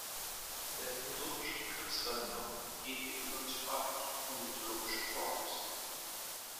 Der philosophischen Begriffsverwendung geht die umgangssprachliche und mythologische voraus.